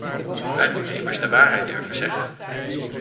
Wij moeten immers de waarheid durven zeggen.